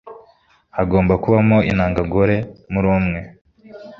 hagomba kuba hari intangangore muri umwe